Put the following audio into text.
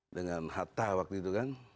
dengan hatta waktu itu kan